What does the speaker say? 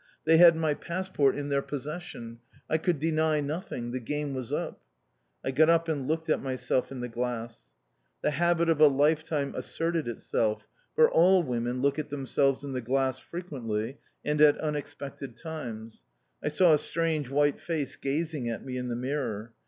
They had my passport in their possession. I could deny nothing. The game was up. I got up and looked at myself in the glass. The habit of a lifetime asserted itself, for all women look at themselves in the glass frequently, and at unexpected times. I saw a strange white face gazing at me in the mirror.